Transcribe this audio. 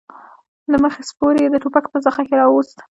د مخې سپور يې د ټوپک په زخه کې راووست.